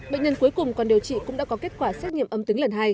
bệnh nhân cuối cùng còn điều trị cũng đã có kết quả xét nghiệm âm tính lần hai